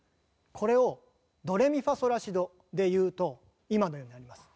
これをドレミファソラシドで言うと今のようになります。